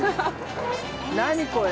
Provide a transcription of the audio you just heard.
何これ？